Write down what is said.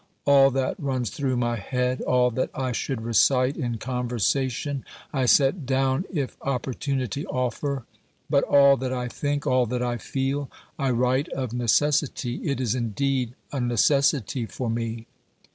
All that runs through my head, all that I should recite in conversation, I set down if opportunity offer; but all that I think, all that I feel, I write of ii8 OBERMANN necessity — it is indeed a necessity for me.